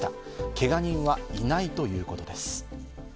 けが人はいないということです。